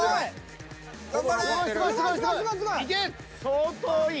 相当いい。